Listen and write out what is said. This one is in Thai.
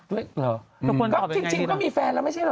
คุณควรตอบอย่างไรคิดนะครับก็จริงมีแฟนแหละไม่ใช่หรอ